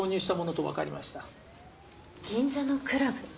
銀座のクラブ？